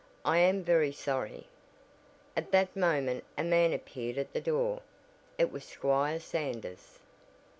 I am very sorry." At that moment a man appeared at the door. It was Squire Sanders!